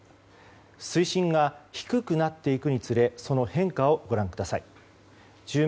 水深が低くなっていくにつれその変化をご覧ください。